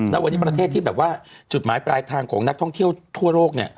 แล้ววันนี้ประเทศที่แบบว่าจุดหมายปลายทางของนักท่องเที่ยวทั่วโลกเนี่ย